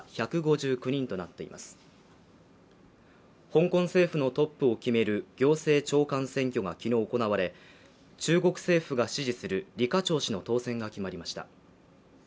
香港政府のトップを決める行政長官選挙が昨日行われ中国政府が支持する李家超氏の当選が決まりました。